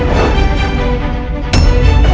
lo mau kemana